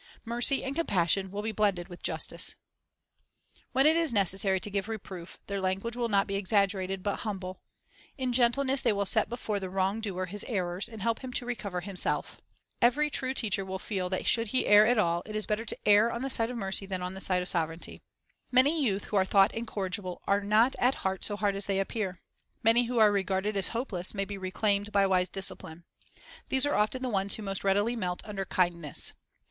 Mercy and compassion will be blended with justice. The Saviour's Rule Public Discipline Justice; Compassion 294 The Under Teacher Reclaimed by Kindness Our Example When it is necessary to give reproof, their language will not be exaggerated, but humble. In gentleness they will set before the wrong doer his errors, and help him to recover himself. Every true teacher will feel that should he err at all, it is better to err on the side of mercy than on the side of severity. Many youth who are thought incorrigible are not at heart so hard as they appear. Many who are regarded as hopeless may be reclaimed by wise discipline. These are often the ones who most readily melt under kind ness.